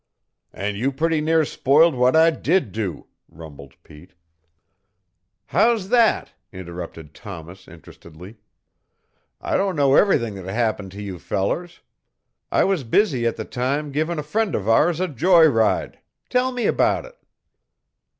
"And you pretty near spoiled what I did do," rumbled Pete. "How's that?" interrupted Thomas interestedly. "I don't know everything that happened to you fellers. I was busy at the time givin' a friend of ours a joy ride. Tell me about it!"